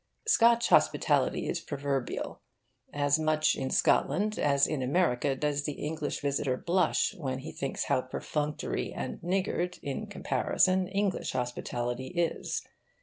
Scotch hospitality is proverbial. As much in Scotland as in America does the English visitor blush when he thinks how perfunctory and niggard, in comparison, English hospitality is.